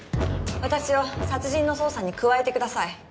私を殺人の捜査に加えてください。